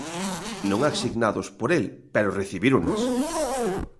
Non asignados por el, pero recibíronas.